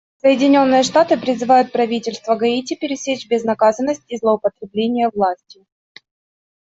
Соединенные Штаты призывают правительство Гаити пресечь безнаказанность и злоупотребления властью.